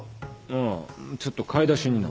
ああちょっと買い出しにな。